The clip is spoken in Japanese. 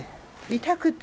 痛くて。